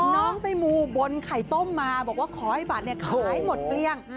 น้องไปมูบนไข่ต้มมาบอกว่าขอให้บัตรขายหมดเกลี้ยง